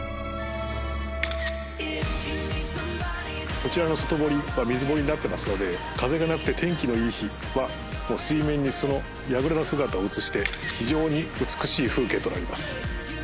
こちらの外堀は水堀になっていますので風がなくて天気のいい日は水面にその櫓の姿を映して非常に美しい風景となります。